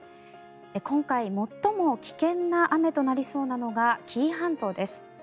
今回最も危険な雨となりそうなのが紀伊半島です。